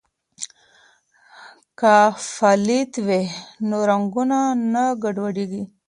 که پالت وي نو رنګونه نه ګډوډیږي.